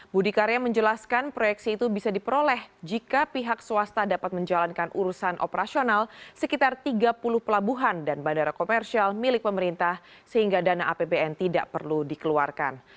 budi karya menjelaskan proyeksi itu bisa diperoleh jika pihak swasta dapat menjalankan urusan operasional sekitar tiga puluh pelabuhan dan bandara komersial milik pemerintah sehingga dana apbn tidak perlu dikeluarkan